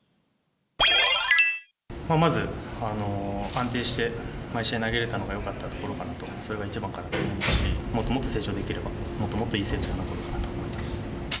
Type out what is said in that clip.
まず、安定して毎試合、投げれたのがよかったところかなと、それが一番かなと思いますし、もっともっと成長できれば、もっともっと、いい選手になれると思います。